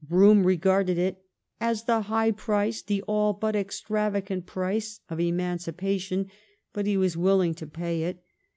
Brougham regarded it " as the high price, the all but extravagant price," of emancipation, but he was willing to pay it.